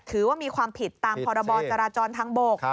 ถือว่ามีความผิดตามพรบจราจรทางบก